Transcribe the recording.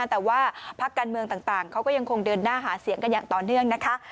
แต่ว่าพักการเมืองต่างเขาก็ยังคงเดินหน้าหาเสียงกันอย่างต่อเนื่องนะคะ